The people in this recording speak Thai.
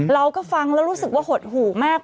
เราก็ฟังแล้วรู้สึกว่าหดหูมาก